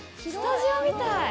スタジオみたい！